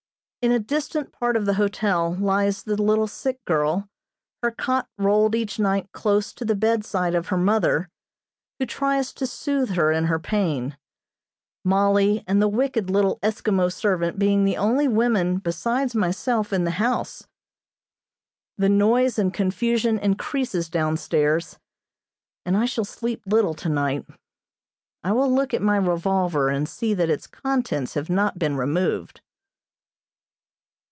In a distant part of the hotel lies the little sick girl, her cot rolled each night close to the bedside of her mother, who tries to soothe her in her pain, Mollie and the wicked little Eskimo servant being the only women besides myself in the house. The noise and confusion increases down stairs, and I shall sleep little tonight. I will look at my revolver and see that its contents have not been removed.